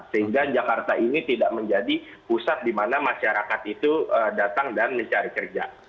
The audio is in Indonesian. sehingga jakarta ini tidak menjadi pusat di mana masyarakat itu datang dan mencari kerja